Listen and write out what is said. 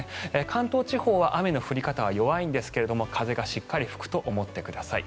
関東地方は雨の降り方は弱いんですけれども風がしっかり吹くと思ってください。